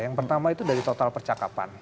yang pertama itu dari total percakapan